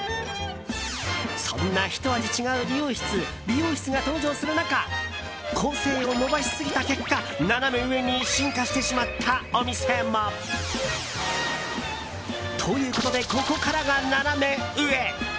そんな、ひと味違う理容室、美容室が登場する中個性を伸ばしすぎた結果ナナメ上に進化してしまったお店も。ということでここからがナナメ上！